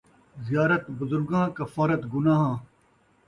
زیارت بزرگاں ، کفارت گناہاں